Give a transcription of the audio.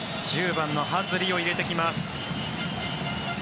１０番のハズリを入れてきます。